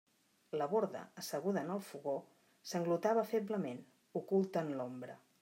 La Borda, asseguda en el fogó, sanglotava feblement, oculta en l'ombra.